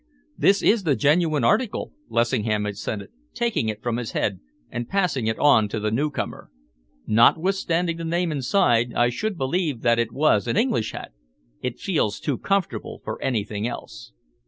"This is the genuine article," Lessingham assented, taking it from his head and passing it on to the newcomer. "Notwithstanding the name inside, I should still believe that it was an English hat. It feels too comfortable for anything else."